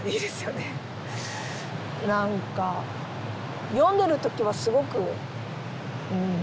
何か読んでる時はすごくうん。